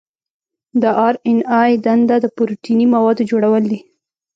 د آر این اې دنده د پروتیني موادو جوړول دي.